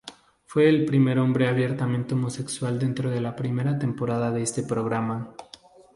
Fue el primer hombre abiertamente homosexual dentro de la primera temporada de este programa.